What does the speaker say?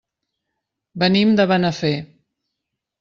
Venim de Benafer.